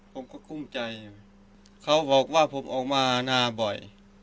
ผมก็คุ้มใจเขาบอกว่าผมออกมานาบ่อย